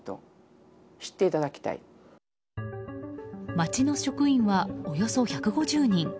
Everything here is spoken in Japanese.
町の職員は、およそ１５０人。